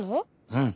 うん！